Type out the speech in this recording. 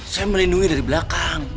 saya melindungi dari belakang